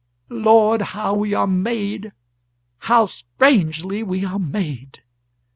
. Lord, how we are made how strangely we are made!"